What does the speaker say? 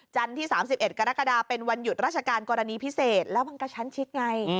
ที่๓๑กรกฎาเป็นวันหยุดราชการกรณีพิเศษแล้วมันกระชั้นชิดไง